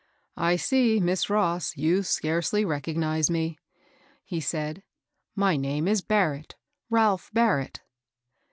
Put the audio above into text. " I see. Miss Ross, you scarcely recognize me, he said. "My name is Barrett, — Ralph Bar rett.'